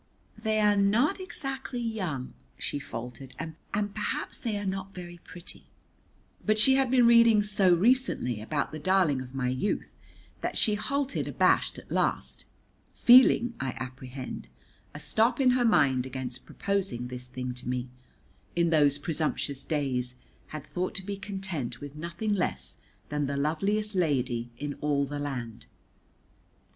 "They are not exactly young," she faltered, "and perhaps they are not very pretty " But she had been reading so recently about the darling of my youth that she halted abashed at last, feeling, I apprehend, a stop in her mind against proposing this thing to me, who, in those presumptuous days, had thought to be content with nothing less than the loveliest lady in all the land.